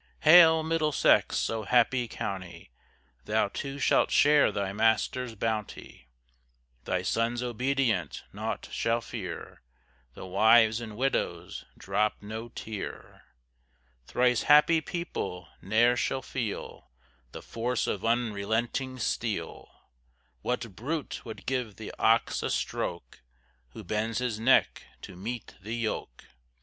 Hail, Middlesex! oh happy county! Thou too shalt share thy master's bounty, Thy sons obedient, naught shall fear, Thy wives and widows drop no tear. Thrice happy people, ne'er shall feel The force of unrelenting steel; What brute would give the ox a stroke Who bends his neck to meet the yoke?